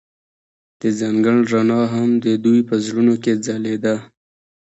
د ځنګل رڼا هم د دوی په زړونو کې ځلېده.